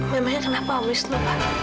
memangnya kenapa om wisnu